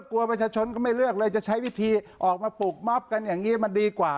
กลัวประชาชนก็ไม่เลือกเลยจะใช้วิธีออกมาปลูกม็อบกันอย่างนี้มันดีกว่า